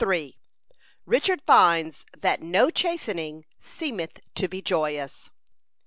RICHARD FINDS THAT NO CHASTENING SEEMETH TO BE JOYOUS.